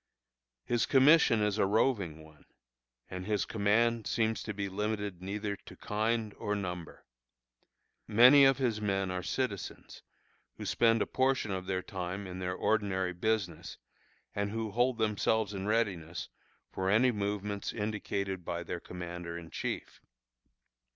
His commission is a roving one, and his command seems to be limited neither to kind or number. Many of his men are citizens, who spend a portion of their time in their ordinary business, and who hold themselves in readiness for any movements indicated by their commander in chief.